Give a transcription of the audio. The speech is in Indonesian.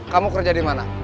kamu kerja di mana